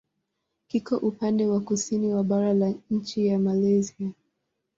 Kiko upande wa kusini wa bara la nchi ya Malaysia.